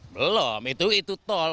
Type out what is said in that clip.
belum itu tol